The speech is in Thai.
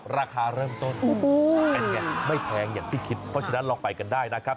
ราคาเริ่มต้นเป็นไงไม่แพงอย่างที่คิดเพราะฉะนั้นลองไปกันได้นะครับ